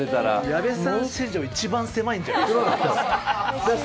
矢部さん史上一番狭いんじゃないですか？